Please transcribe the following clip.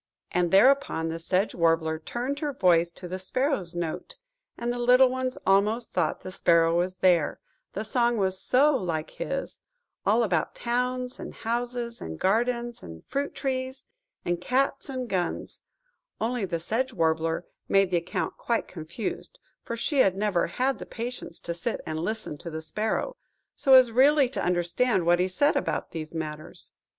"–and thereupon the Sedge Warbler tuned her voice to the Sparrow's note, and the little ones almost thought the Sparrow was there, the song was so like his–all about towns, and houses, and gardens and fruit trees, and cats, and guns; only the Sedge Warbler made the account quite confused, for she had never had the patience to sit and listen to the Sparrow, so as really to understand what he said about these matters.